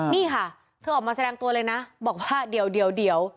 นี่ค่ะเธอออกมาแสดงตัวเลยนะบอกว่าเดี๋ยว